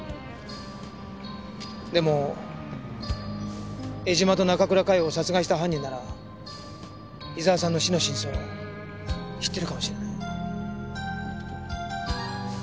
でも江島と中倉佳世を殺害した犯人なら伊沢さんの死の真相を知ってるかもしれない。